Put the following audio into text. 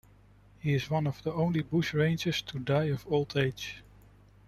He is one of the only bushrangers to die of old age.